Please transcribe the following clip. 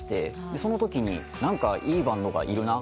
そのときにいいバンドがいるなというのを。